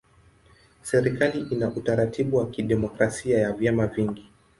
Serikali ina utaratibu wa kidemokrasia ya vyama vingi.